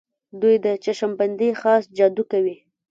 دوی د چشم بندۍ خاص جادو کوي.